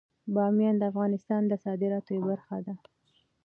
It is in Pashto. بامیان د افغانستان د صادراتو برخه ده.